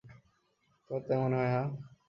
তোমার তাই মনে হয়, হাহ?